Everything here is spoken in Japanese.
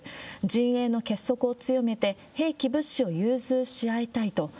陣営の結束を強めて、兵器、物資を融通し合いたいと。